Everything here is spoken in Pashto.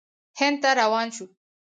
هند ته روان شو.